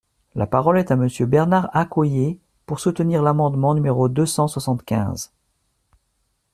La parole est à Monsieur Bernard Accoyer, pour soutenir l’amendement numéro deux cent soixante-quinze.